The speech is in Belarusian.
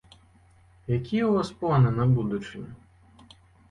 Якія ў вас планы на будучыню?